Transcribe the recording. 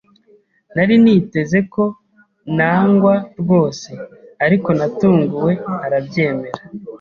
Nari niteze ko nangwa rwose, ariko natunguwe arabyemera.